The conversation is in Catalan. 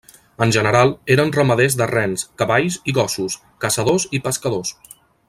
En general, eren ramaders de rens, cavalls i gossos, caçadors i pescadors.